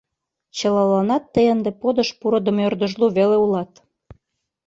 Чылаланат тый ынде подыш пурыдымо ӧрдыжлу веле улат.